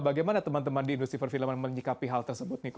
bagaimana teman teman di industri perfilman menyikapi hal tersebut niko